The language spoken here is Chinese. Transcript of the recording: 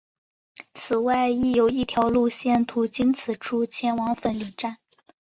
此外亦有一条路线途经此处前往粉岭站。